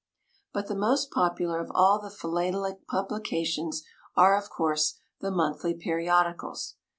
But the most popular of all the philatelic publications are, of course, the monthly periodicals.